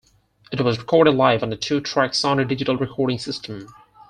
It was recorded live on a two-track Sony digital recording system.